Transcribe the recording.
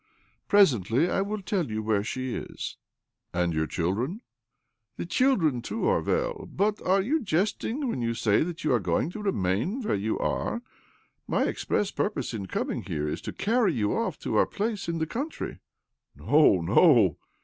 Presently I will tell you where she is." "And your children?" " The children too are well. But are you jesting when you say that you are going to remain where you are ? My express purpose in coming here is to carry you off to our place in the country." " No, no